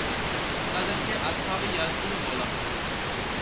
তাদেরকে আসহাবে ইয়াসীনও বলা হয়।